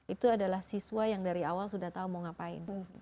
itu adalah siswa yang dari awal sudah tahu mau ngapain